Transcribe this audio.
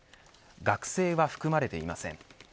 学生は含まれていません。